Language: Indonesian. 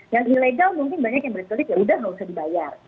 yang ilegal mungkin banyak yang berculik ya udah nggak usah dibayar